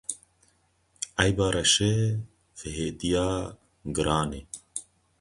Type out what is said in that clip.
Eyba reşê, fihêtiya giranê.